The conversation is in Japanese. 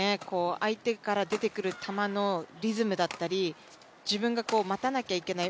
相手から出てくる球のリズムだったり自分が待たなきゃいけない